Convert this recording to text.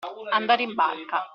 Andare in barca.